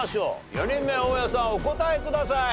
４人目大家さんお答えください。